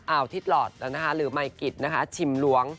อ่าวทิศหลอดนะคะหรือไมค์กิทนะคะชิมหลวง